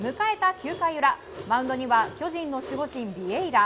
９回裏マウンドには巨人の守護神ビエイラ。